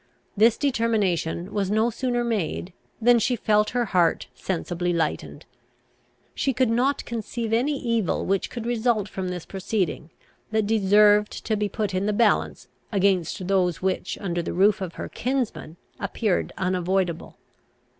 This determination was no sooner made, than she felt her heart sensibly lightened. She could not conceive any evil which could result from this proceeding, that deserved to be put in the balance against those which, under the roof of her kinsman, appeared unavoidable.